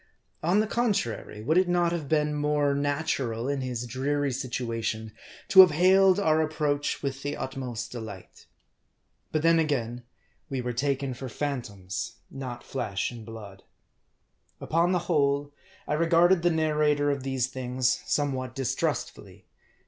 On the contrary, would it not have been more natural, in his dreary situation, to have hailed our approach with the utmost delight ? But then again, we were taken for phan toms, not flesh and blood. Upon the whole, I regarded the narrator of these things somewhat distrustfully.